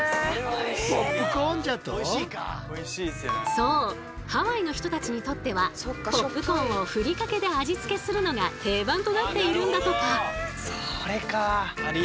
そうハワイの人たちにとってはポップコーンをふりかけで味付けするのが定番となっているんだとか。